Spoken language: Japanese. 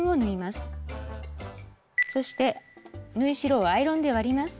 そして縫い代をアイロンで割ります。